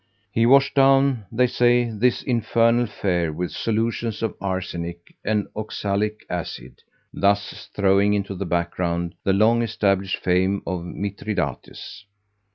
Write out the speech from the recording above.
He washed down (they say) this infernal fare with solutions of arsenic and oxalic acid; thus throwing into the background the long established fame of Mithridates.